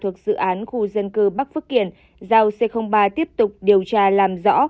thuộc dự án khu dân cư bắc phước kiển giao c ba tiếp tục điều tra làm rõ